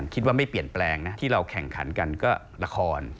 คิดว่าไม่เปลี่ยนแปลงนะที่เราแข่งขันกันก็ละคร